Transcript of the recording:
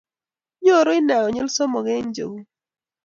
Nyoru inne konyil somok eng chechuk